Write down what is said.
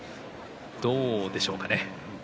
どうでしょうか？